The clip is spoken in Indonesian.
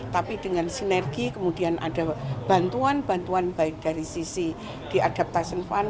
tapi dengan sinergi kemudian ada bantuan bantuan baik dari sisi the adaptation fund